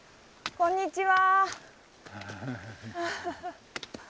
・こんにちは。